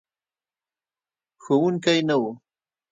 ښوونکی نه و.